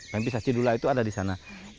pempis acidula itu ada di sana